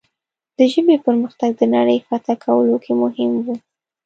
د ژبې پرمختګ د نړۍ فتح کولو کې مهم و.